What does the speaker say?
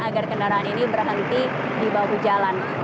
agar kendaraan ini berhenti di bahu jalan